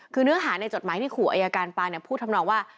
คือเนื้อหาในจดหมายที่ขู่อายการปานพูดทำนองว่า